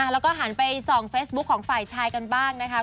แล้วก็หันไปส่องเฟซบุ๊คของฝ่ายชายกันบ้างนะคะ